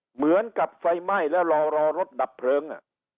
เหมือนกับไฟไหม้แล้วรอรถดับเพลิง